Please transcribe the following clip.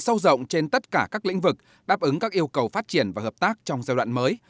sâu rộng trên tất cả các lĩnh vực đáp ứng các yêu cầu phát triển và hợp tác trong giai đoạn mới